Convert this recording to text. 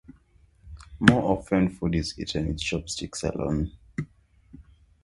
More often food is eaten with chopsticks alone.